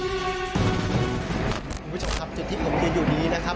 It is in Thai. คุณผู้ชมครับจุดที่ผมยืนอยู่นี้นะครับ